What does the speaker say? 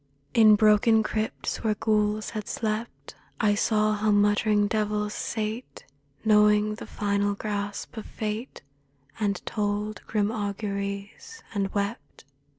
In broken crypts where ghouls had slept I saw how muttering devils sate (Knowing the final grasp of Fate) And told grim auguries, and wept.